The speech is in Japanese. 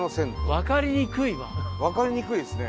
分かりにくいですね。